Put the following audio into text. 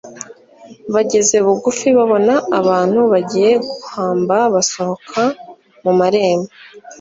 Bageze bugufi babona abantu bagiye guhamba basohoka mu marembo.